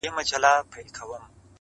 • چي مېرمني يې آغازي كړې پوښتني -